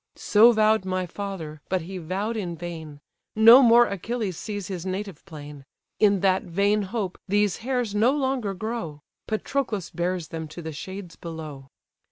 So vow'd my father, but he vow'd in vain; No more Achilles sees his native plain; In that vain hope these hairs no longer grow, Patroclus bears them to the shades below."